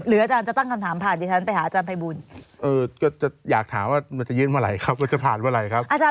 หรืออาจารย์จะตั้งคำถามผ่านที่ฉันไปหาอาจารย์ภัยบูรณ์